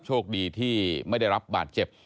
โชคดีที่ไม่ได้รับบาดเจ็บ